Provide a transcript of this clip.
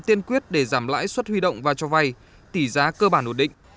tiên quyết để giảm lãi suất huy động và cho vay tỷ giá cơ bản ổn định